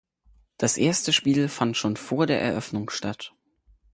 Das erste Spiel fand schon vor der Eröffnung statt.